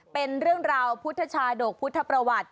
เป็นเรื่องราวพุทธชาดกพุทธประวัติ